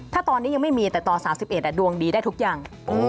ถ้าตอนนี้ยังไม่มีแต่ต่อ๓๑ดวงดีได้ทุกอย่าง